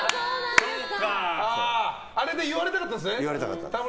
あれで言われたかったんですね。